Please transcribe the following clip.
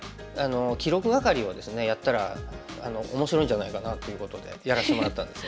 記録係をですねやったら面白いんじゃないかなということでやらしてもらったんです。